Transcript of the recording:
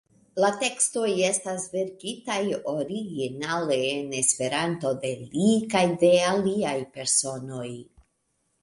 La tekstoj estas verkitaj originale en Esperanto de li kaj de aliaj personoj.